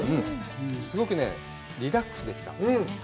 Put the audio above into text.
すごくね、リラックスできた。